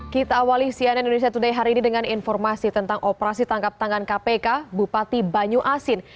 kita awali cnn indonesia today hari ini dengan informasi tentang operasi tangkap tangan kpk bupati banyu asin